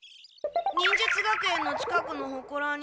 忍術学園の近くのほこらに。